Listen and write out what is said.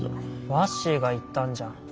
ワッシーが言ったんじゃん。